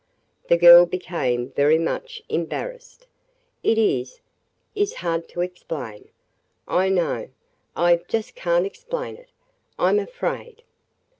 The girl became very much embarrassed. "It is – is hard to explain, – I know. I – I just can't explain it, I 'm afraid.